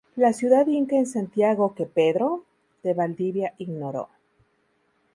La ciudad inca en Santiago que Pedro �de Valdivia ignoró